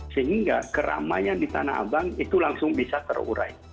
sehingga keramaian di tanah abang itu langsung bisa terurai